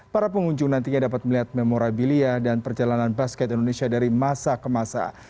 para pengunjung nantinya dapat melihat memorabilia dan perjalanan basket indonesia dari masa ke masa